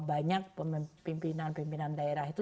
banyak pimpinan pimpinan daerah itu